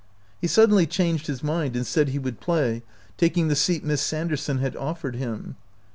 He suddenly changed his mind and said he would play, taking the seat Miss Sander son had offered him.